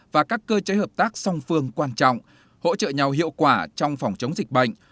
và các cơ chế hợp tác song phương quan trọng hỗ trợ nhau hiệu quả trong phòng chống dịch bệnh